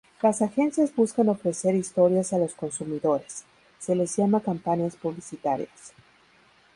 Las agencias buscan ofrecer historias a los consumidores, se les llama campañas publicitarias.